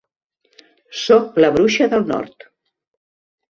"Soc la bruixa del Nord".